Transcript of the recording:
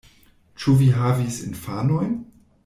Ĉu vi havis infanojn?